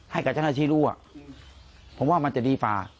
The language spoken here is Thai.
ให้กับชั้นอาชีพรู้อ่ะผมว่ามันจะดีป่า